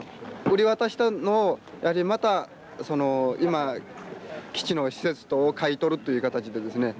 売り渡したのをやはりまた今基地の施設等を買い取るという形でですね